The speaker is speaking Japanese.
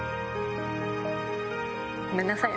ごめんなさいね。